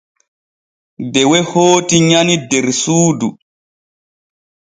Dewe hooti nyani der suudu.